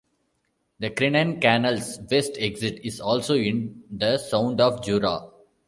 The Crinan Canal's west exit is also in the Sound of Jura.